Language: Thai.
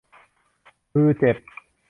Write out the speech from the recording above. ฮือ เจ็บ